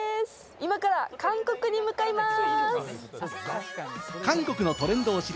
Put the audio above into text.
今から韓国に向かいます！